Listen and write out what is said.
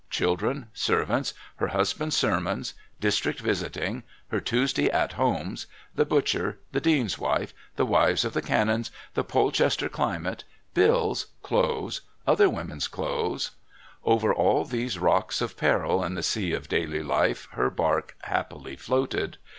Children, servants, her husband's sermons, district visiting, her Tuesday "at homes," the butcher, the dean's wife, the wives of the canons, the Polchester climate, bills, clothes, other women's clothes over all these rocks of peril in the sea of daily life her barque happily floated.